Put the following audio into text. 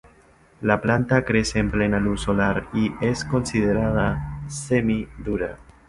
La planta crece en plena luz solar, y es considerada "semi" dura.